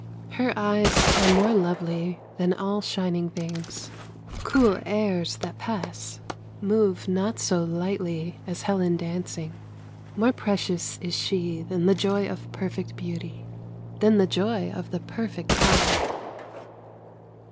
Her eyes are more lovely than all shining things ; cool airs that pass, move not so lightly as Helen dancing ; more precious is she than the joy of perfect beauty, than the joy of the perfect hour.